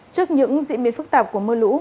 trước những diễn biến phức tạp của mưa lũ